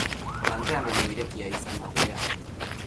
Planteamendu irekia izan da gurea.